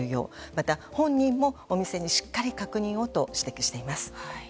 また、本人もお店にしっかり確認をと指摘しています。